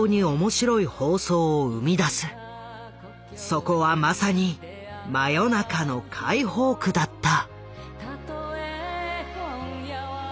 そこはまさに真夜中の解放区だった。